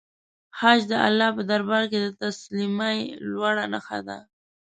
حج د الله په دربار کې د تسلیمۍ لوړه نښه ده.